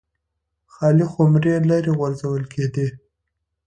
خالي خُمرې لرې غورځول کېدې